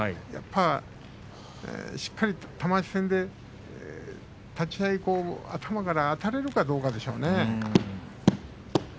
やっぱ、しっかり玉鷲戦で立ち合い頭からあたれるかどうかでしょうね。